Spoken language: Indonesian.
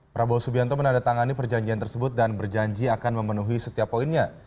prabowo subianto menandatangani perjanjian tersebut dan berjanji akan memenuhi setiap poinnya